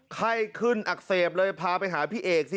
ไข้ขึ้นอักเสบเลยพาไปหาพี่เอกสิ